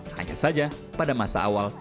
hanya saja pada masa awal